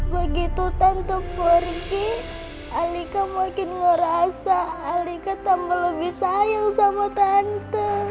begitu tante pergi alika makin ngerasa alika tambah lebih sayang sama tante